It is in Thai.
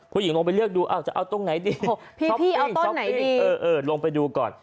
ผู้หญิงลงไปเลือกดูเอ้าจะเอาตรงไหนดีพี่เอาต้นไหนดีเออลงไปดูก่อน